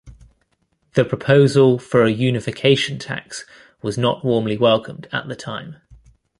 The proposal for a unification tax was not warmly welcomed at the time.